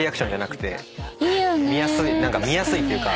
見やすいっていうか。